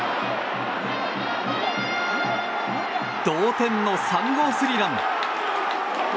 同点の３号スリーラン。